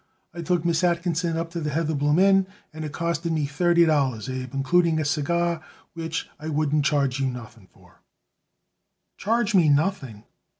I took Miss Atkinson up to the Heatherbloom Inn, and it costed me thirty dollars, Abe, including a cigar, which I wouldn't charge you nothing for." "Charge me nothing!"